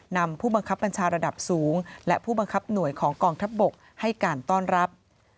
นำผู้บังคับบัญชาระดับสูงและผู้บังคับหน่วยของกองทัพบกให้การต้อนรับ